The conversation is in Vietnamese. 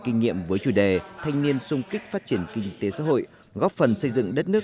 kinh nghiệm với chủ đề thanh niên sung kích phát triển kinh tế xã hội góp phần xây dựng đất nước